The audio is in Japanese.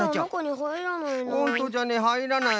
ほんとじゃねはいらない。